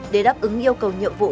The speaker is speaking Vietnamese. để đáp ứng yêu cầu nhiệm vụ